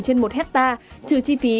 trên một hectare trừ chi phí